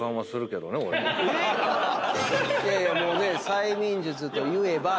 いやいやもうね催眠術といえばみたいな。